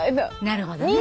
なるほどね。